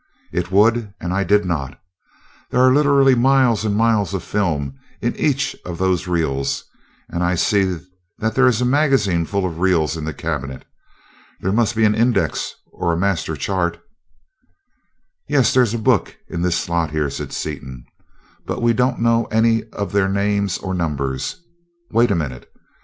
"It would, and I did not. There are literally miles and miles of film in each of those reels, and I see that there is a magazine full of reels in the cabinet. There must be an index or a master chart." "Yeah, there's a book in this slot here," said Seaton, "but we don't know any of their names or numbers wait a minute!